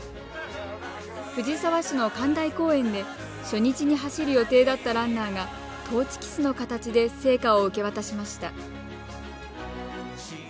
藤沢市の神台公園で初日に走る予定だったランナーがトーチキスの形で聖火を受け渡しました。